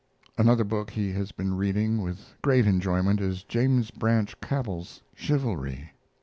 Another book he has been reading with great enjoyment is James Branch Cabell's Chivalry.